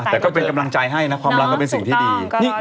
แต่ก็เป็นกำลังใจให้นะความรักก็เป็นสิ่งที่ดี